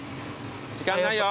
時間ないよ。